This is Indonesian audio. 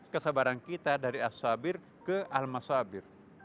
kesabaran kita dari al masabir ke al masabir